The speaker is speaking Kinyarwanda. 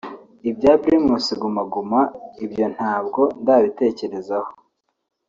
Ibya Primus Guma Guma ibyo ntabwo ndabitekerezaho